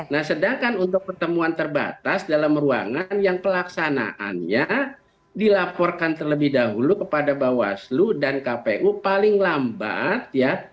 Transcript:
nah sedangkan untuk pertemuan terbatas dalam ruangan yang pelaksanaannya dilaporkan terlebih dahulu kepada bawaslu dan kpu paling lambat ya